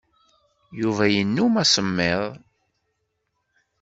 Yuba yennum asemmiḍ.